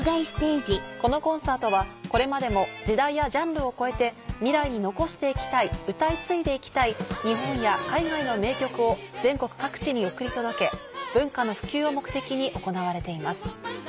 このコンサートはこれまでも時代やジャンルを超えて未来に残していきたい歌いついでいきたい日本や海外の名曲を全国各地に送り届け文化の普及を目的に行われています。